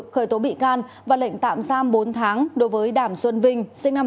khởi tố bị can và lệnh tạm giam bốn tháng đối với đảm xuân vinh sinh năm một nghìn chín trăm sáu mươi năm